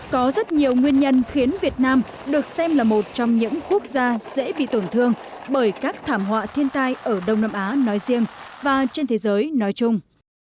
có rất nhiều nguyên nhân khiến việt nam được xem là một trong những quốc gia dễ bị tổn thương bởi các thảm họa thiên tai ở đông nam á nói riêng và trên thế giới nói chung